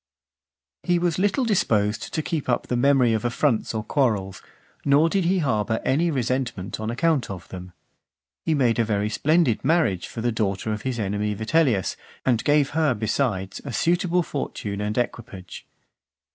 XIV. He was little disposed to keep up the memory of affronts or quarrels, nor did he harbour any resentment on account of them. He made a very splendid marriage for the daughter of his enemy Vitellius, and gave her, besides, a suitable fortune and equipage.